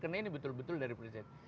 karena ini betul betul dari presiden